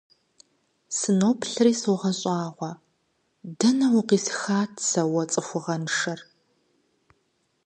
Сыноплъри согъэщӀагъуэ: дэнэ укъисхат сэ уэ цӀыхугъэншэр?